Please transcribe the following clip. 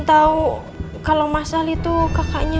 bakal jadi masalah besar nggak ya